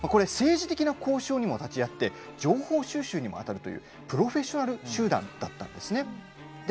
政治的な交渉にも立ち会って情報収集にもあたるプロフェッショナル集団だったんです。